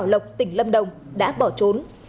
lâm đồng đã bỏ trốn